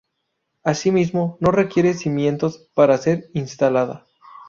Asimismo no requiere cimientos para ser instalada.